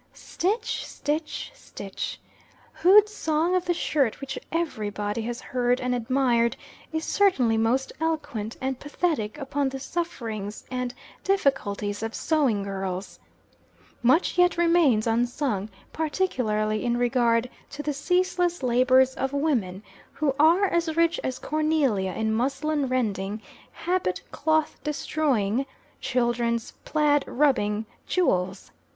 Stitch! stitch! stitch! Hood's Song of the Shirt, which every body has heard and admired, is certainly most eloquent and pathetic upon the sufferings and difficulties of sewing girls. "Much yet remains unsung," particularly in regard to the ceaseless labors of women who are as rich as Cornelia in muslin rending, habit cloth destroying, children's plaid rubbing jewels!